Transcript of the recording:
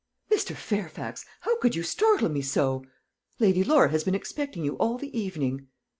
"Mr. Fairfax, how could you startle me so? Lady Laura has been expecting you all the evening."